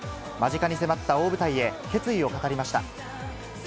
間近に迫った大舞台へ、決意を語りました。